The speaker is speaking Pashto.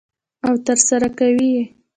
او ترسره کوي یې.